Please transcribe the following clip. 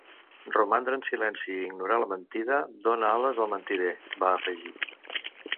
“Romandre en silenci i ignorar la mentida dóna ales al mentider”, va afegir.